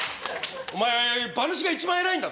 お前馬主が一番偉いんだぞ。